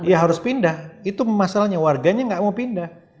ya harus pindah itu masalahnya warganya nggak mau pindah